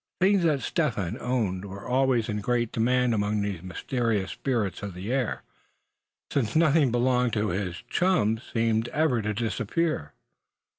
Things that Step Hen owned were always in great demand among these mysterious spirits of the air; since nothing belonging to his chums seemed ever to disappear.